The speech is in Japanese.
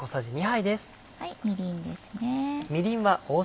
みりんですね。